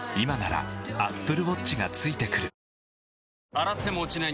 洗っても落ちない